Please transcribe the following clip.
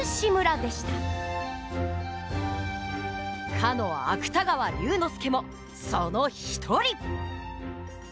かの芥川龍之介もその一人。